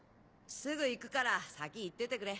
すぐ行くから先行っててくれ。